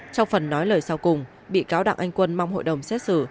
trong phần nói lời sau cùng bị cáo đặng anh quân mong hội đồng xét xử